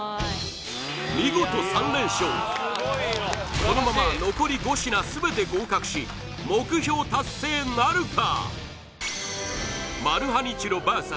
見事３連勝このまま残り５品すべて合格し目標達成なるか？